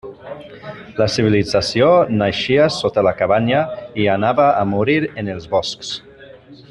La civilització naixia sota la cabanya i anava a morir en els boscs.